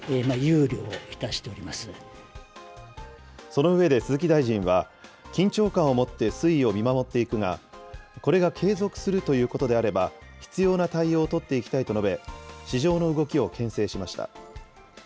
その上で、鈴木大臣は、緊張感を持って推移を見守っていくが、これが継続するということであれば、必要な対応を取っていきたいと述べ、市場の動きをけん制しました。